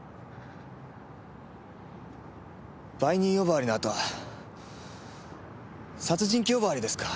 売人呼ばわりの後は殺人鬼呼ばわりですか。